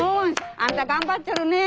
あんた頑張っちょるね。